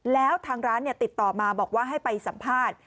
แล้วทางร้านติดต่อมาบอกว่าให้ไปสัมภาษณ์